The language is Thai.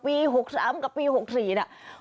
ปี๖๓กับปี๖๔นะ